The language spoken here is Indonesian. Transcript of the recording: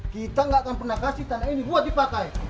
kita nggak akan pernah kasih tanah ini buat dipakai